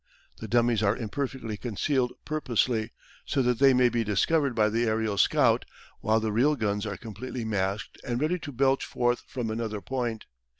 The dummies are imperfectly concealed purposely, so that they may be discovered by the aerial scout, while the real guns are completely masked and ready to belch forth from another point.